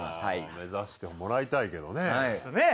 目指してもらいたいけどね。